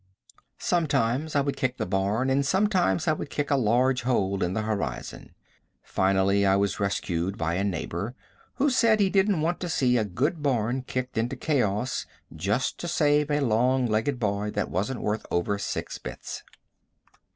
Sometimes I would kick the barn and sometimes I would kick a large hole in the horizon. Finally I was rescued by a neighbor who said he didn't want to see a good barn kicked into chaos just to save a long legged boy that wasn't worth over six bits.